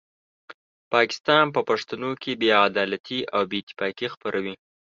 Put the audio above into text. پاکستان په پښتنو کې بې عدالتي او بې اتفاقي خپروي.